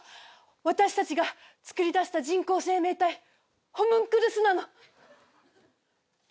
私たちがつくり出した人工生命体ホムンクルスなの。